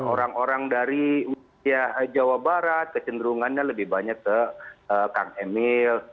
orang orang dari wilayah jawa barat kecenderungannya lebih banyak ke kang emil